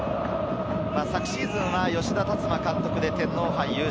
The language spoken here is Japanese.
昨シーズンは吉田達磨監督で天皇杯優勝。